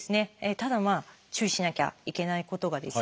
ただ注意しなきゃいけないことがですね